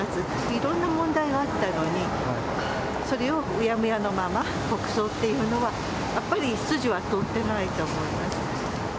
いろんな問題があったのに、それをうやむやのまま国葬っていうのは、やっぱり筋は通ってないと思います。